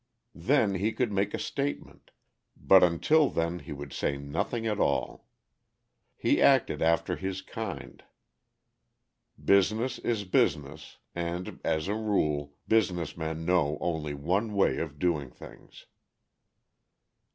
Then he could make a statement, but until then he would say nothing at all. He acted after his kind. Business is business; and, as a rule, business men know only one way of doing things.